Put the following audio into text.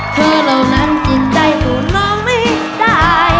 เธอเหล่านั้นจริงใจก็น้องไม่ได้